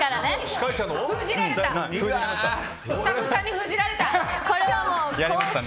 スタッフさんに封じられた！